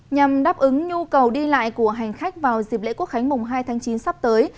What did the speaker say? nhằm đáp ứng nhu cầu đi lại của hành khách vào dịp lễ quốc khánh mùng hai tháng chín sắp tới